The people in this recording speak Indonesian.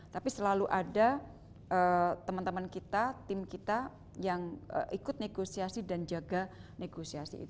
tapi selalu ada teman teman kita tim kita yang ikut negosiasi dan jaga negosiasi itu